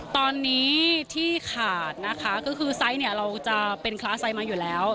ตอนนี้ที่ขาดนะคะก็คือไซส์เนี่ยเราจะเป็นคลาสไซส์มาอยู่แล้ว